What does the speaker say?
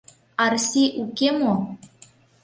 Арси уке мо?